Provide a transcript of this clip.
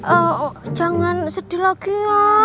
ehh jangan sedih lagi ya